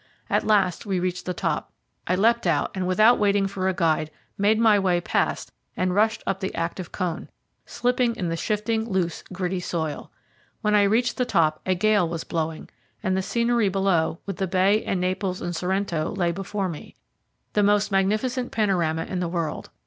At last we reached the top. I leapt out, and without waiting for a guide, made my way past, and rushed up the active cone, slipping in the shifting, loose, gritty soil. When I reached the top a gale was blowing, and the scenery below, with the Bay and Naples and Sorrento, lay before me, the most magnificent panorama in the world.